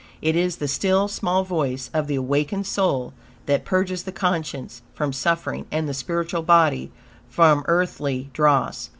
It is the still, small voice of the awakened soul, that purges the conscience from suffering, and the spiritual body from earthy dross.